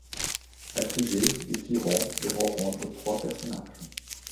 Intrigué, il s’y rend et rencontre trois personnages.